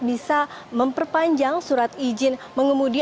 bisa memperpanjang surat izin mengemudi